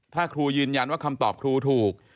ถ้าครูยืนยันว่าคำตอบครูถูก